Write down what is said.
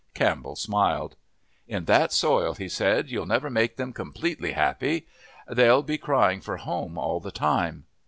Campbell smiled. "In that soil," he said, "you'll never make them completely happy. They'll be crying for home all the time."